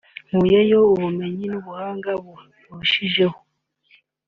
“Nkuyeyo ubumenyi n’ubuhanga burushijeho